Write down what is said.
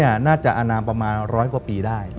อายุน่าจะอนามประมาณ๑๐๐กว่าปีได้